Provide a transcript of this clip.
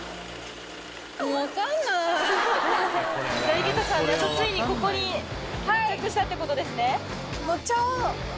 井桁さんやっとついにここに到着したってことですね。